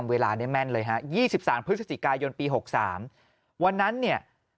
วันนั้นเนี่ย